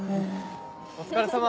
お疲れさま！